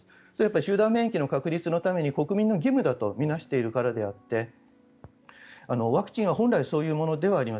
集団免疫の確立のために国民の義務だとみなしているためであってワクチンは本来そういうものではあります。